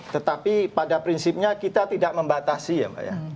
tetapi pada prinsipnya kita tidak membatasi ya mbak ya